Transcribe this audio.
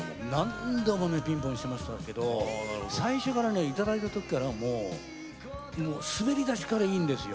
何度もピンポンしましたけど最初から頂いた時からもう滑り出しからいいんですよ。